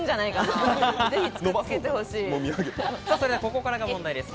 ここからが問題です。